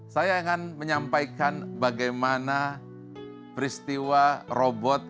saya ingin menyampaikan bagaimana peristiwa robot